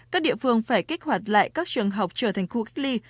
các địa phương phải kích hoạt lại các trường học trở thành khu cách ly